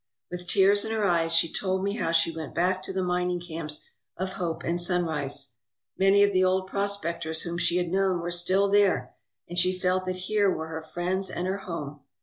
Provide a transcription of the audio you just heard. With tears in her eyes, she told me how she went back to the mining camps of Hope and Sunrise. Many of the old prospectors whom she had known were still there, and she felt that here were her friends and her home.